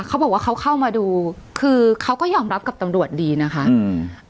เขาบอกว่าเขาเข้ามาดูคือเขาก็ยอมรับกับตำรวจดีนะคะอืม